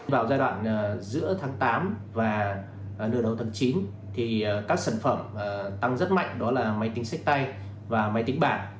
vào giai đoạn giữa tháng tám và lửa đầu tháng chín các sản phẩm tăng rất mạnh đó là máy tính sách tay và máy tính bạc